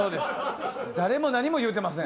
誰も何も言ってません。